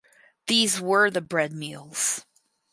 These were the "bread meals".